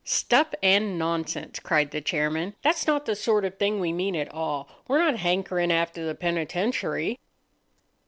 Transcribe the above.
"Stuff and nonsense!" cried the chairman. "That's not the sort of thing we mean at all. We're not hankering after the penitentiary."